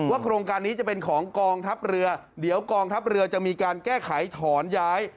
โครงการนี้จะเป็นของกองทัพเรือเดี๋ยวกองทัพเรือจะมีการแก้ไขถอนย้าย